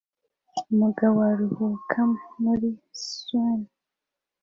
Umugabo aruhuka muri sauna